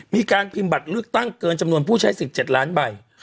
มีการพิมพ์บัตรเลือกตั้งเกินจำนวนผู้ใช้สิทธิ์๗ล้านใบ